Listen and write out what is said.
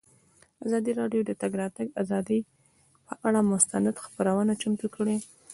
ازادي راډیو د د تګ راتګ ازادي پر اړه مستند خپرونه چمتو کړې.